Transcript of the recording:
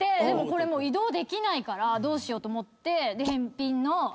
でもこれもう移動できないからどうしよう？と思って。